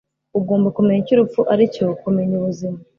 Ugomba kumenya icyo urupfu aricyo kumenya ubuzima.